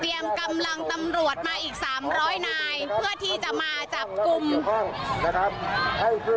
เตรียมกำลังตำรวจมาอีกสามร้อยนายเพื่อที่จะมาจับกลุ่มนะครับ